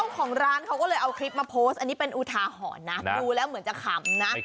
เจ้าของร้านเขาก็เลยเอาคลิปมาโพสต์อันนี้เป็นอุทาหรณ์นะดูแล้วเหมือนจะขำนะ